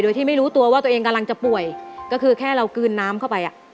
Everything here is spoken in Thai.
โดยที่ไม่รู้ตัวว่าตัวเองกำลังจะป่วยก็คือแค่เรากลืนน้ำเข้าไปอ่ะ